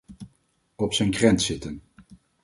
Op zijn krent zitten.